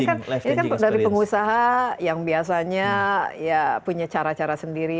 kan ini kan dari pengusaha yang biasanya ya punya cara cara sendiri